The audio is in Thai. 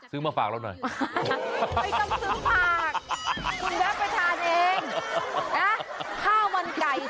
ซื้อมาฝากแล้วหน่อยโอ้โหไม่ต้องซื้อฝากคุณแม่ไปทานเอง